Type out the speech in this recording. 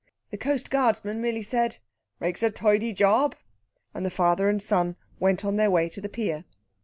The coastguardsman merely said, "Makes a tidy job!" and the father and son went on their way to the pier.